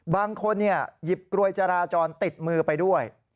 บางคนหยิบกลวยจราจรติดมือไปด้วย